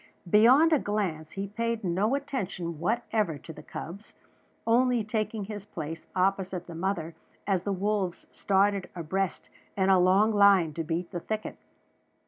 Beyond a glance he paid no attention whatever to the cubs, only taking his place opposite the mother as the wolves started abreast in a long line to beat the thicket.